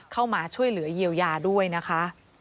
เข้ามาช่วยเหลือเยียวยาด้วยนะคะ